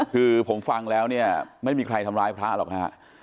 คือผมฟังแล้วเนี่ยไม่มีใครทำร้ายพระหรอกฮะ